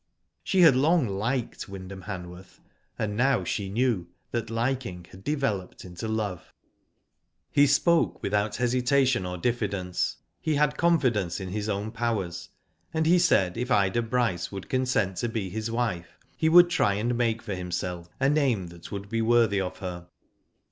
She had long liked Wyndham Hanworth, and now she knew that liking had developed into love. He spoke without hesitation or diffidence. He had confidence in his own powers, and he said if Ida Bryce would consent to be his wife he would try and make for himself a name that would be worthy of her.